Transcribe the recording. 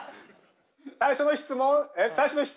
最初の質問？